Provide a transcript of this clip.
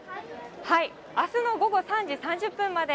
あすの午後３時３０分まで、